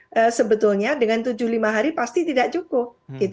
jadi itu sebetulnya dengan tujuh lima hari pasti tidak cukup